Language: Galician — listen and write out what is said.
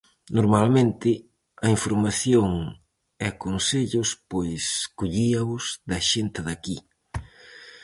Normalmente, a información e consellos pois collíaos da xente de aquí.